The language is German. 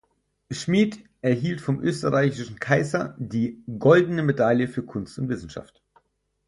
Schmid erhielt vom österreichischen Kaiser die "Goldene Medaille für Kunst und Wissenschaft".